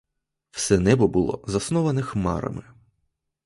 Все небо було засноване хмарами.